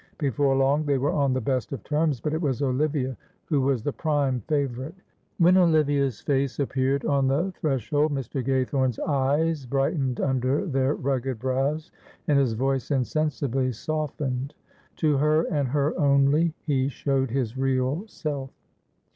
Before long they were on the best of terms, but it was Olivia who was the prime favourite. When Olivia's face appeared on the threshold Mr. Gaythorne's eyes brightened under their rugged brows, and his voice insensibly softened. To her, and her only, he showed his real self.